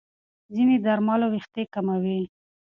ځینې درملو وېښتې کموي.